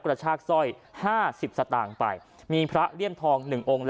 กระชากสร้อยห้าสิบสตางค์ไปมีพระเลี่ยมทอง๑องค์